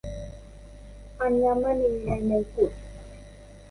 อัญมณีในมงกุฎ